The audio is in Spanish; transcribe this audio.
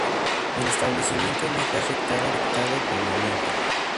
El establecimiento no fue afectado por el racionamiento.